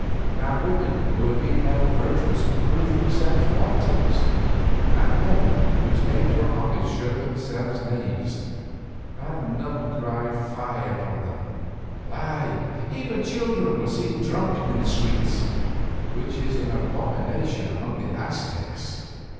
Now women who had been held virtuous proved themselves wantons, and men whose names were honest showed themselves knaves, and none cried fie upon them; ay, even children were seen drunken in the streets, which is an abomination among the Aztecs.